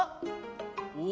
お。